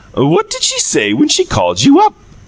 "What did she say when she called YOU up?"